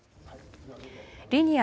リニア